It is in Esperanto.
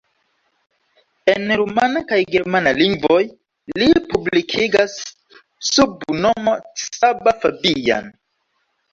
En rumana kaj germana lingvoj li publikigas sub nomo Csaba Fabian.